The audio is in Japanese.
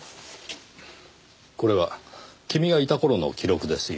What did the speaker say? これは君がいた頃の記録ですよ。